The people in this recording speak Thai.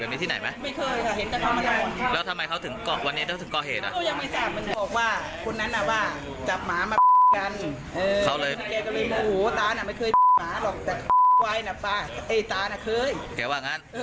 นี่แหละฮะ